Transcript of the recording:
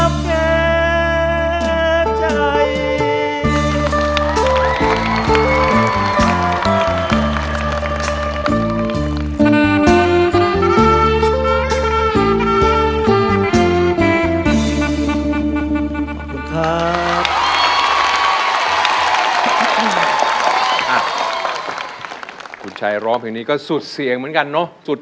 เพียงแขนจากแดนอีสานเมื่อสัง